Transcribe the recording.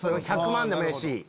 １００万でもええし。